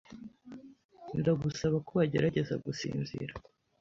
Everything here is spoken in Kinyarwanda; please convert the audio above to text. Ndagusaba ko wagerageza gusinzira.